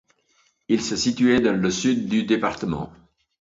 Il se situait dans le sud du département.